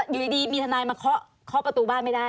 อยู่ดีมีทนายมาเคาะประตูบ้านไม่ได้